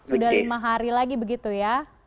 sudah lima hari lagi begitu ya